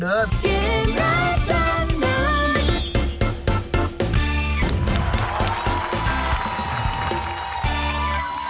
เกมรับจำนำ